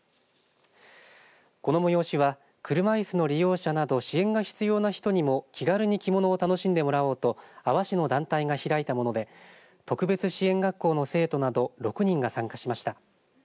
この催しは、車いすの利用者など支援が必要な人にも気軽に着物を楽しんでもらおうと阿波市の団体が開いたもので特別支援学校の生徒など６人が参加しました。